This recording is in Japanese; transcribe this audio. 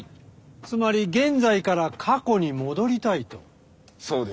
つまり現在から過去に戻りたいと⁉そうです！